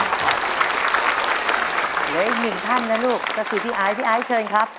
เดี๋ยวเจออีกหนึ่งท่านนะลูกก็คือพี่ไอท์เชิญครับ